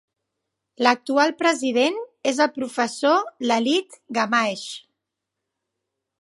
L'actual president és el professor Lalith Gamage.